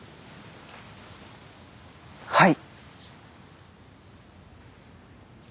はい。